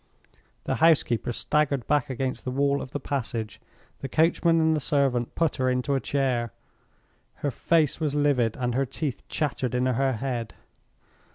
The housekeeper staggered back against the wall of the passage. The coachman and the servant put her into a chair. Her face was livid, and her teeth chattered in her head.